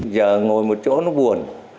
giờ ngồi một chỗ nó buồn